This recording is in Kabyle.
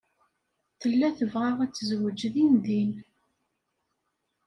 Tella tebɣa ad tezwej dindin.